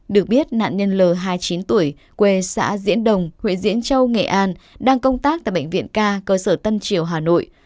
được biết nạn nhân l hai mươi chín tuổi quê xã diễn đồng huyện diễn châu nghệ an đang công tác tại bệnh viện ca cơ sở tân triều hà nội